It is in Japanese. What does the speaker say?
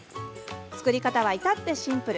作り方は至ってシンプル。